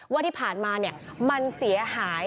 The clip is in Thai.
ว่าที่ผ่านมามันเสียหาย